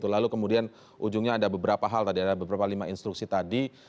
lalu kemudian ujungnya ada beberapa hal tadi ada beberapa lima instruksi tadi